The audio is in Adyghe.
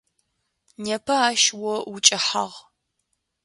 Непэ ащ о укӏэхьагъ.